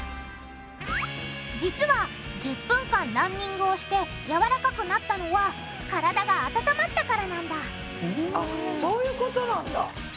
実は１０分間ランニングをしてやわらかくなったのはからだが温まったからなんだあっそういうことなんだ。